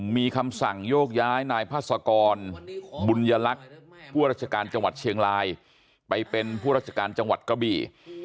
มีคำสั่งโยกย้ายนายพัศกรบุญยลักษณ์ผู้ราชการจังหวัดเชียงรายไปเป็นผู้ราชการจังหวัดกะบี่